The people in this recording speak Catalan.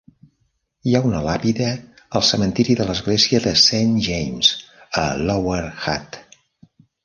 Hi ha una làpida al cementiri de l'església de Saint James, a Lower Hutt.